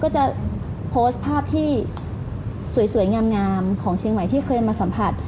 จะโพสต์ภาพที่สวยงามของเชียงใหม่ที่เคยมาสัมผัส